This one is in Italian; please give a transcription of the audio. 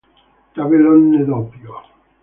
Tabellone doppio